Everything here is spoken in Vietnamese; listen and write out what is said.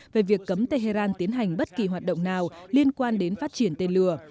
về việc cấm tehran tiến hành bất kỳ hoạt động nào liên quan đến phát triển tên lửa